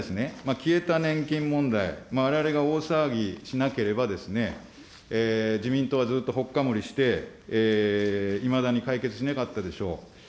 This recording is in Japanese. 消えた年金問題、われわれが大騒ぎしなければ、自民党はずっとほっかむりして、いまだに解決しなかったでしょう。